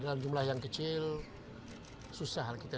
dalam jumlah yang kecil susah kita